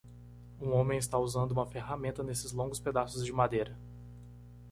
Um homem está usando uma ferramenta nesses longos pedaços de madeira.